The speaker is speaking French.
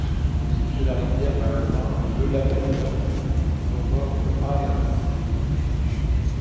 Le débit de la rivière a atteint le la valeur record de à Hermann.